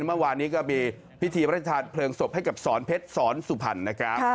เมื่อวานนี้ก็มีพิธีพระราชทานเพลิงศพให้กับสอนเพชรสอนสุพรรณนะครับ